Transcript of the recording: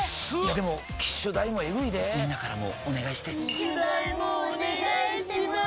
でも機種代もエグいでぇみんなからもお願いして機種代もお願いします